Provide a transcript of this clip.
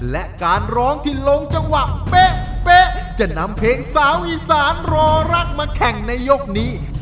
และการร้องที่ลงจังหวะเป๊ะจะนำเพลงสาวอีสานรอรักมาแข่งในยกนี้